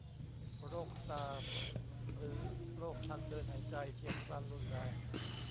โรคซาร์สหรือโรคทางเดินหายใจเฉียบพลันรุนแรง